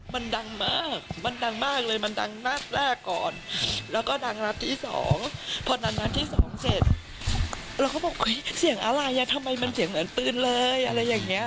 มันดังมากมันดังมากเลยมันดังมากแรกก่อนแล้วก็ดังละทีสองพอดังละทีสองเสร็จเราก็บอกเฮ้ยเสียงอะไรทำไมมันเสียงเหมือนปืนเลยอะไรอย่างนี้